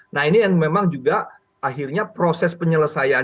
nah ini yang memang juga akhirnya proses penyelesaian